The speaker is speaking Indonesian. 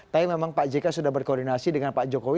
tapi memang pak jk sudah berkoordinasi dengan pak jokowi